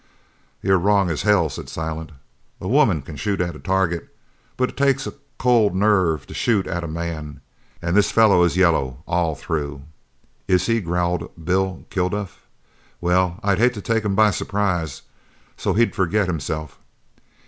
"You're wrong as hell," said Silent, "a woman can shoot at a target, but it takes a cold nerve to shoot at a man an' this feller is yellow all through!" "Is he?" growled Bill Kilduff, "well, I'd hate to take him by surprise, so's he'd forget himself.